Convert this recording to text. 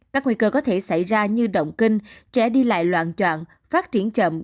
các nguy cơ có thể xảy ra như động kinh trẻ đi lại loạn trọng phát triển chậm